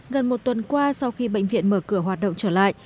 gần một tuần qua sau khi bệnh viện mở cửa hoạt động trở lại